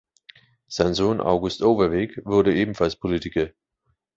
Sein Sohn August Overweg wurde ebenfalls Politiker.